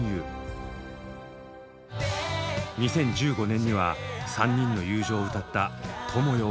２０１５年には３人の友情を歌った「友よ」を発表。